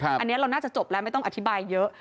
อันนี้เราน่าจะจบแล้วไม่ต้องอธิบายเยอะ